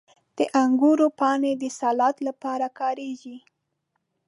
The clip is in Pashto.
• د انګورو پاڼې د سالاد لپاره کارېږي.